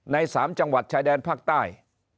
ในสามจังหวัดชายแดนภาคใต้